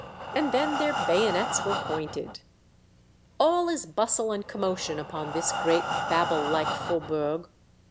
" and then their bayonets were pointed. All is bustle and commotion upon this great Babel like faubourg.